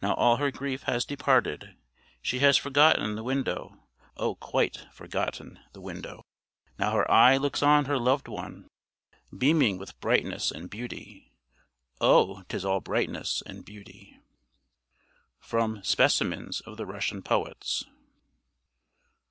Now all her grief has departed: She has forgotten the window; Oh! quite forgotten the window. Now her eye looks on her loved one, Beaming with brightness and beauty; Oh! 'tis all brightness and beauty. From 'Specimens of the Russian Poets.'